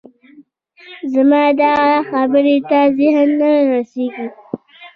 زما دغه خبرې ته ذهن نه رسېږي